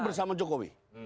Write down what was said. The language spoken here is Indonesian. tetap bersama jokowi